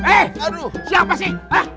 eh siapa sih